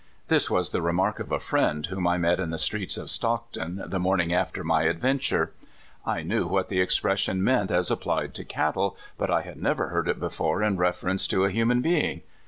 This was the remark of a friend whom I met in the streets of Stockton the morning after my adventure. I knew what the ex pression meant as applied to cattle, but I had never heard it before in reference to a human being.